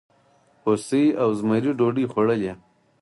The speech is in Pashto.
هوسۍ او زمري ډوډۍ خوړلې؟